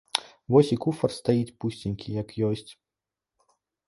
Вось і куфар стаіць, пусценькі, як ёсць.